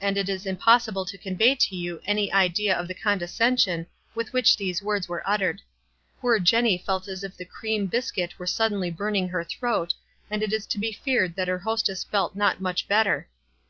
And it is impossible to convey to you any idea of the condescension with which these words were uttered. Poor Jenny felt as if the cream bis cuit were suddenly burning her throat, and it is to be feared that her hostess felt not much bet ter.